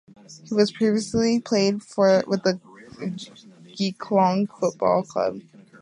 He also previously played with the Geelong Football Club.